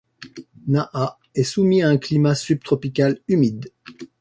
Naha est soumis à un climat subtropical humide.